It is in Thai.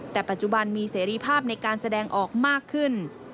แต่ปัจจุบันมีเสรีภาพในการแสดงออกมากขึ้น